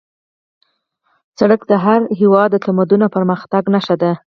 سړک د هر هېواد د تمدن او پرمختګ نښه ده